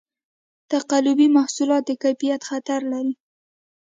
تقلبي محصولات د کیفیت خطر لري.